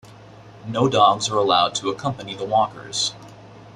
No dogs are allowed to accompany the walkers.